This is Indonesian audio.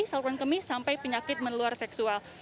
misalkan kemis sampai penyakit meneluar seksual